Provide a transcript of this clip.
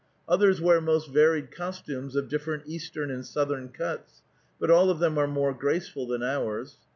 Others wear most varied costumes of different eastern and southern cuts, but all of them are more grace ful than ours.